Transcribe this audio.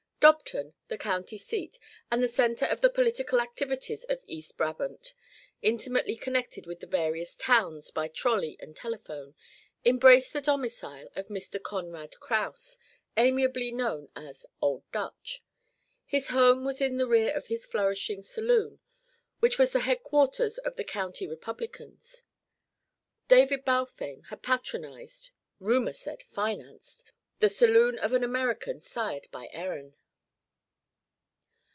Dobton, the county seat, and the centre of the political activities of East Brabant, intimately connected with the various "towns" by trolley and telephone, embraced the domicile of Mr. Konrad Kraus, amiably known as "Old Dutch." His home was in the rear of his flourishing saloon, which was the headquarters of the county Republicans. David Balfame had patronised rumour said financed the saloon of an American sired by Erin.